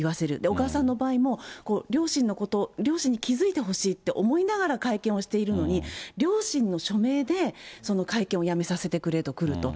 小川さんの場合も、両親のこと、両親に気付いてほしいって思いながら会見をしているのに、両親の署名で、その会見をやめさせてくれと来ると。